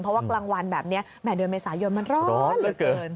เพราะว่ากลางวันแบบนี้แหม่เดือนเมษายนมันร้อนเหลือเกิน